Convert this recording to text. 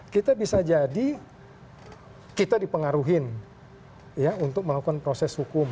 kita bisa jadi kita dipengaruhi untuk melakukan proses hukum